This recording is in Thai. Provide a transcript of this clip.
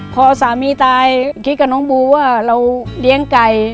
พอสามีตายคิดกับน้องบูว่าเราเลี้ยงไก่